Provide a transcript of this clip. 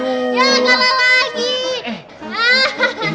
yah kalah lagi